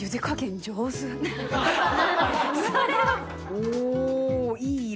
・おいい色。